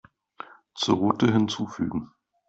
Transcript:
Zur Route hinzufügen.